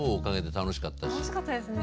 楽しかったですね。